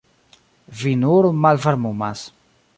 Vi nur malvarmumas.